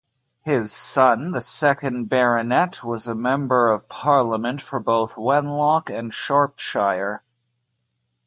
His son, the second Baronet, was Member of Parliament for both Wenlock and Shropshire.